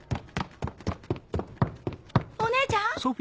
お姉ちゃん！